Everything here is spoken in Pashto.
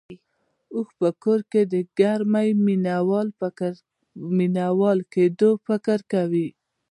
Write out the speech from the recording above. اوښ په کور کې د ګرمۍ مينه وال کېدو فکر کوي.